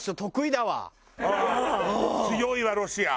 強いわロシア。